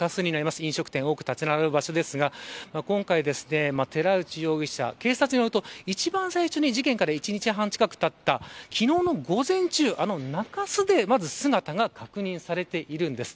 飲食店が多く立ち並びますが今回、寺内容疑者警察によると一番最初に事件から１日半近くたった昨日の午前中、あの中洲で姿が確認されているんです。